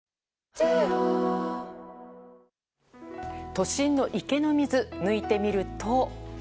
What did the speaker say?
都心の池の水、抜いてみると。